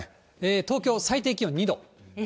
東京、最低気温２度。